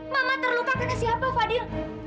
mama terluka karena siapa fadil